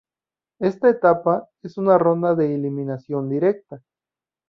Esta etapa, es una ronda de eliminación directa.